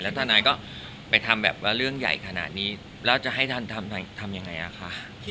ทนายก็ไปทำแบบว่าเรื่องใหญ่ขนาดนี้แล้วจะให้ท่านทำยังไงอ่ะคะ